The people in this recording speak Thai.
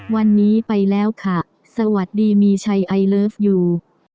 วันนี้ไปแล้วค่ะสวัสดีมีชัยไอเลิฟยู